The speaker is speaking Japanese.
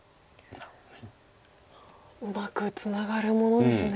うまくツナがるものですね。